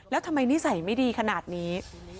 แล้วทำไมนิสัยไม่ดีขนาดนี้